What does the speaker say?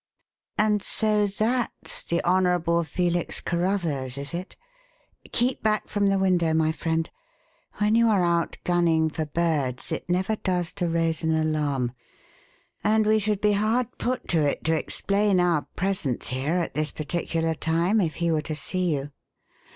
And so that's the Honourable Felix Carruthers, is it? Keep back from the window, my friend. When you are out gunning for birds, it never does to raise an alarm. And we should be hard put to it to explain our presence here at this particular time if he were to see you."